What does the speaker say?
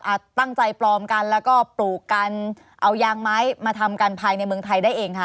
ตั้งใจปลอมกันแล้วก็ปลูกกันเอายางไม้มาทำกันภายในเมืองไทยได้เองค่ะ